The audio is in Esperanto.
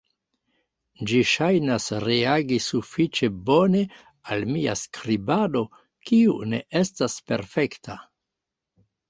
Ĝi ŝajnas reagi sufiĉe bone al mia skribado, kiu ne estas perfekta.